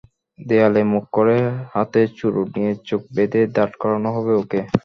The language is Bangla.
দেয়ালে মুখ করে হাতে চুরুট নিয়ে চোখ বেঁধে দাঁড় করানো হবে ওকে!